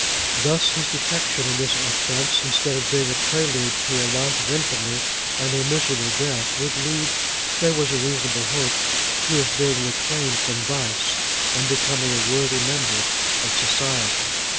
Thus, his detection in this offence, instead of being the prelude to a life of infamy and a miserable death, would lead, there was a reasonable hope, to his being reclaimed from vice, and becoming a worthy member of society.